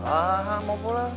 ah ah ah mau pulang